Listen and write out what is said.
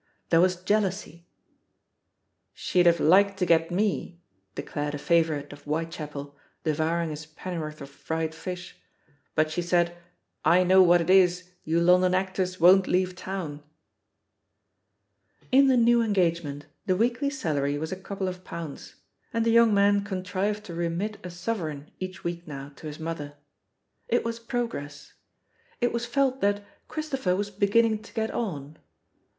There was jealousy. THE POSITION OF PEGGY HARPER She'd have liked to get me/* declared a fa vourite of Whitechapel, devouring his pen'orth of fried fish, "but she said, *I know what it is — you London actors won't leave town I' " In the new engagement, the weekly salary was a couple of pounds, and the young man contrived to remit a sovereign each week now to his mother. It was progress. It was felt that "Christopher was beginning to get on."